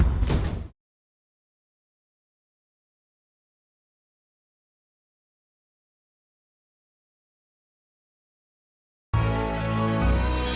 tunggu trees naik naik